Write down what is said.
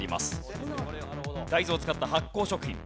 大豆を使った発酵食品。